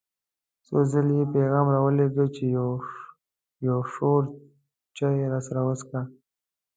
څو ځله یې پیغام را ولېږه چې یو شور چای راسره وڅښه.